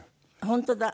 本当だ。